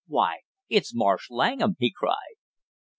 "Why, it's Marsh Langham!" he cried.